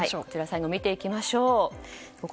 最後、見ていきましょう。